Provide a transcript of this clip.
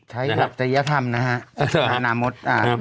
ใช้หลักทะเยธรรมนะฮะอนามส์